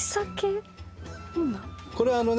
これあのね